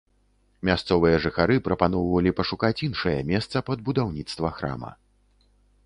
Мясцовыя жыхары прапаноўвалі пашукаць іншае месца пад будаўніцтва храма.